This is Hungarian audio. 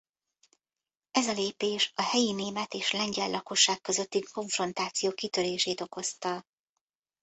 Ez a lépés a helyi német és lengyel lakosság közötti konfrontáció kitörését okozta.